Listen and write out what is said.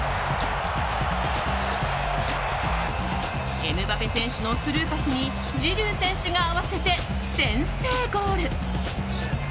エムバペ選手のスルーパスにジルー選手が合わせて先制ゴール。